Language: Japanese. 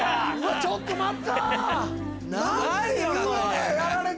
ちょっと待った！